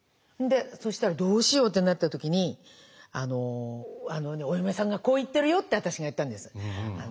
そしたらどうしようってなった時に「お嫁さんがこう言ってるよ」って私が言ったんです。